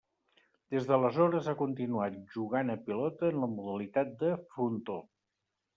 Des d'aleshores, ha continuat jugant a Pilota en la modalitat de Frontó.